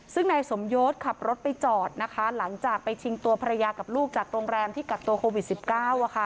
ซึ่งนายสมยศขับรถไปจอดนะคะหลังจากไปชิงตัวภรรยากับลูกจากโรงแรมที่กักตัวโควิด๑๙